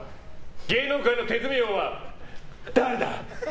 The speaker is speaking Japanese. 芸能界の手積み王は誰だ！？